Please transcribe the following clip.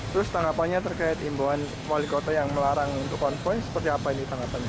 terus tanggapannya terkait imbauan wali kota yang melarang untuk konvoy seperti apa ini tanggapannya